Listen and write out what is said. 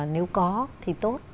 nếu có thì tốt